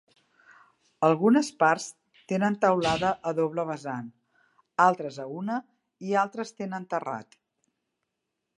Algunes parts tenen teulada a doble vessant, altres a una i altres tenen terrat.